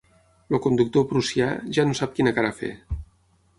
El conductor prussià ja no sap quina cara fer.